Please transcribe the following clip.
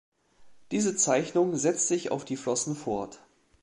Diese Zeichnung setzt sich auf die Flossen fort.